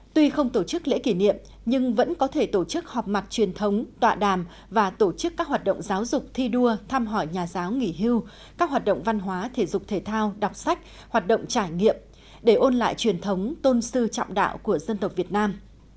tuy không tổ chức lễ kỷ niệm nhưng vẫn có thể tổ chức họp mặt truyền thống tọa đàm và tổ chức các hoạt động giáo dục thi đua thăm hỏi nhà giáo nghỉ hưu các hoạt động văn hóa thể dục thể thao đọc sách hoạt động trải nghiệm để ôn lại truyền thống tôn sư trọng đạo của dân tộc việt nam